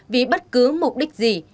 vì bất cứ mục đích gì